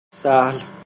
سهل